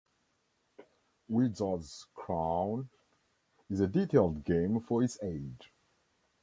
"Wizard's Crown" is a detailed game for its age.